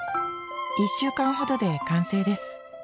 １週間ほどで完成です。